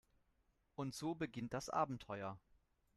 Und so beginnt das Abenteuer.